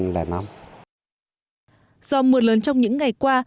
do mưa lớn trong những ngày qua